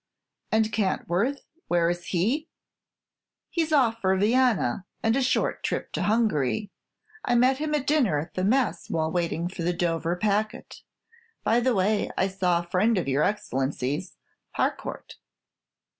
"And Cantworth, where is he?" "He's off for Vienna, and a short trip to Hungary. I met him at dinner at the mess while waiting for the Dover packet. By the way, I saw a friend of your Excellency's, Harcourt."